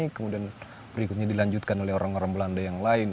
kemudian berikutnya dilanjutkan oleh orang orang belanda yang lain